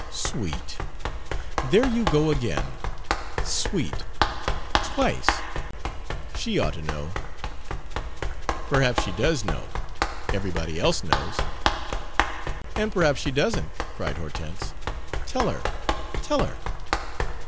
"'Sweet'! There you go again! 'Sweet' twice. She ought to know!" "Perhaps she does know. Everybody else knows." "And perhaps she doesn't!" cried Hortense. "Tell her! Tell her!"